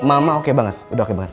mama oke banget udah oke banget